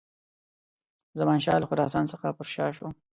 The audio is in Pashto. زمانشاه له خراسان څخه پر شا سو.